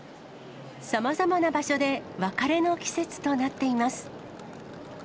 さまざまな場所で別れの季節となっています。